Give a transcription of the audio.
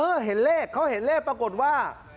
เห็นเลขเขาเห็นเลขปรากฏว่า